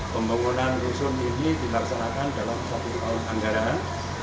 pembangunan rusun ini dilaksanakan dalam satu tahun anggaran